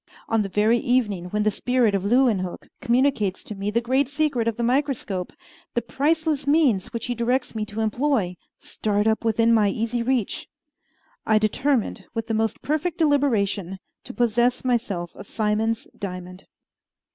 On the very evening when the spirit of Leeuwenhoek communicates to me the great secret of the microscope, the priceless means which he directs me to employ start up within my easy reach! I determined, with the most perfect deliberation, to possess myself of Simon's diamond.